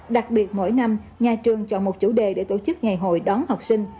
đặc biệt mỗi năm nhà trường chọn một chủ đề để tổ chức ngày hội đón học sinh